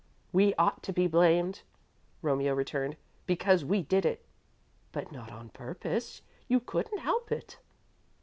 "We ought to be blamed," Romeo returned, "because we did it." "But not on purpose you couldn't help it."